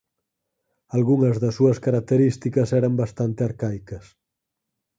Algunhas das súas características eran bastante arcaicas.